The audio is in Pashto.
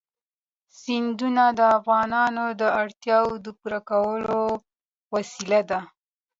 سیندونه د افغانانو د اړتیاوو د پوره کولو وسیله ده.